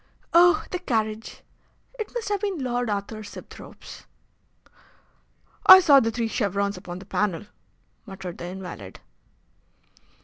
"Oh! the carriage! It must have been Lord Arthur Sibthorpe's." "I saw the three chevrons upon the panel," muttered the invalid.